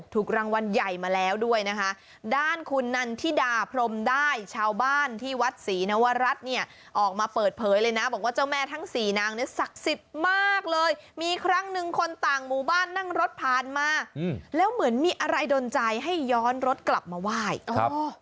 ถูกรางวัลใหญ่มาแล้วด้วยนะคะด้านคุณนันทิดาพรมได้ชาวบ้านที่วัดศรีนวรัฐเนี่ยออกมาเปิดเผยเลยนะบอกว่าเจ้าแม่ทั้งสี่นางเนี่ยศักดิ์สิทธิ์มากเลยมีครั้งหนึ่งคนต่างหมู่บ้านนั่งรถผ่านมาอืมแล้วเหมือนมีอะไรดนใจให้ย้อนรถกลับมาไหว้อ๋อ